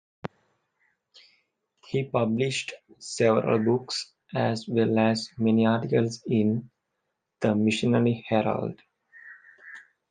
He published several books, as well as many articles in "The Missionary Herald".